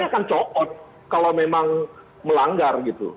saya akan copot kalau memang melanggar gitu